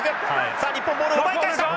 さあ日本ボールを奪い返した！